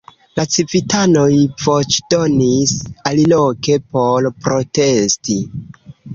La civitanoj voĉdonis aliloke por protesti.